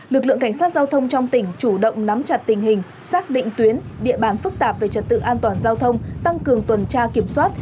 lực lượng cảnh sát giao thông trong tỉnh chủ động nắm chặt tình hình xác định tuyến địa bàn phức tạp về trật tự an toàn giao thông tăng cường tuần tra kiểm soát